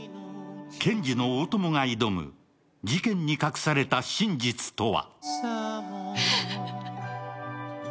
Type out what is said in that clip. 検事の大友が挑む事件に隠された真実とは？